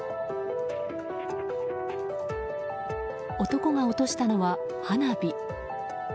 男が落としたのは花火。